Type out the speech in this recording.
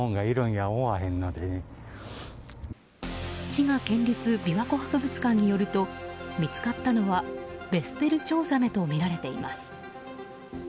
滋賀県立琵琶湖博物館によると見つかったのはベステルチョウザメとみられています。